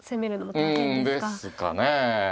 うんですかね。